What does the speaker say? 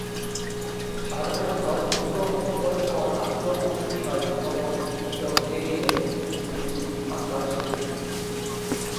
সাধারণত মধ্য অক্টোবরের পর আর্দ্র মৌসুমি বায়ুপ্রবাহ স্তিমিত হয়ে গেলে দ্রুত বৃষ্টিপাত হ্রাস পেতে থাকে।